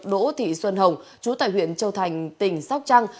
đỗ thị xuân hồng chú tại huyện châu thành tỉnh sóc trăng